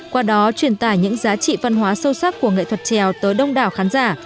qua đó truyền tải những giá trị văn hóa sâu sắc của nghệ thuật trèo tới đông đảo khán giả